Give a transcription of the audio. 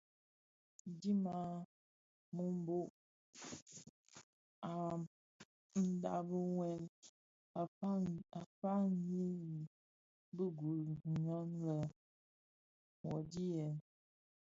Ndhi i Mbhöbhög a ndhami wuèl a faňi bi gul nwe lè: wuodhi yèn !